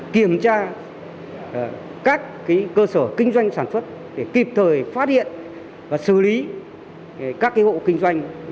kiểm tra các cơ sở kinh doanh sản xuất để kịp thời phát hiện và xử lý các hộ kinh doanh